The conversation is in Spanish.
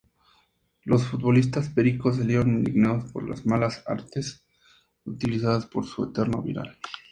Los futbolistas "pericos" salieron indignados por las 'malas artes' utilizadas por su eterno rival.